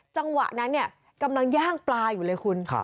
จังหวะนั้นเนี่ยกำลังย่างปลาอยู่เลยคุณ